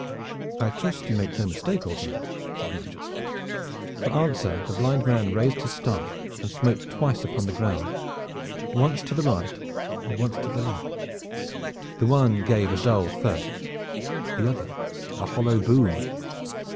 "I trust you make no mistake, old man," said Nigel. For answer the blind man raised his staff and smote twice upon the ground, once to the right and once to the left. The one gave a dull thud, the other a hollow boom.